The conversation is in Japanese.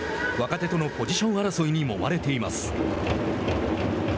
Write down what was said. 若手とのポジション争いにもまれています。